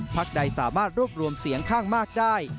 ใดสามารถรวบรวมเสียงข้างมากได้